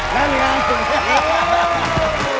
นั่นไงครับ